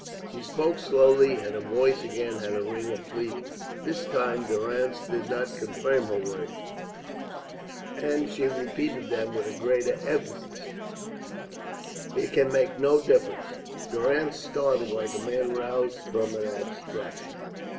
She spoke slowly, and her voice again had a ring of pleading. This time Durrance did not confirm her words, and she repeated them with a greater emphasis, "It can make no difference." Durrance started like a man roused from an abstraction.